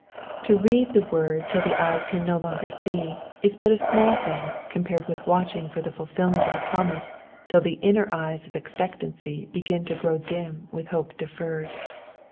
To read the word till the eyes can no longer see is but a small thing compared with watching for the fulfilment of the promise till the inner eyes of expectancy begin to grow dim with hope deferred.